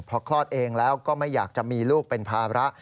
พอคลอดเองแล้วก็ไม่อยากจะมีลูกเป็นภาระ